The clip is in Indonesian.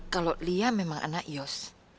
kalau lia memang anak yos